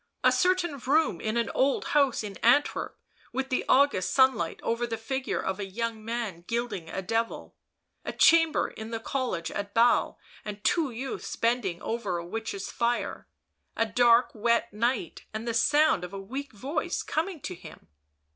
a certain room in an old house in Antwerp with the August sunlight over the figure of a young man gilding a devil ... a chamber in the college at Basle and two youths bending over a witch's fire ... a dark wet night, and the sound of a weak voice coming to him